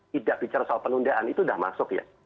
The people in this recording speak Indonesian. tidak bicara soal penundaan itu sudah masuk ya